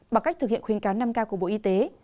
bằng cách thực hiện khuyến cáo năm k của bộ y tế